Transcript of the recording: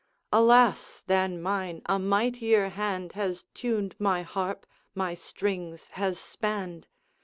Alas! than mine a mightier hand Has tuned my harp, my strings has spanned!